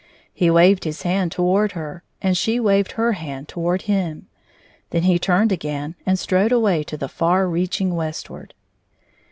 He waved his hand toward her, and she waved her hand toward him. Then he turned again and strode away to the far reaching westward.